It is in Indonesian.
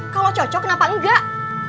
kalo cocok kenapa enggak